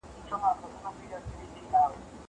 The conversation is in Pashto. زه اجازه لرم چي سپينکۍ پرېولم!!